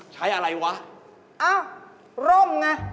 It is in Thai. ใช้อะไรวะอ้าวร่มไง